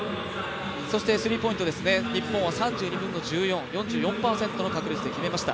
そして、スリーポイント日本は３２分の１４。４４％の確率で決めました。